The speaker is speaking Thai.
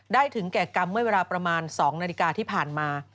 ถึงแก่กรรมเมื่อเวลาประมาณ๒นาฬิกาที่ผ่านมา